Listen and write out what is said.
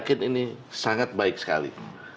ini sangat baik sekali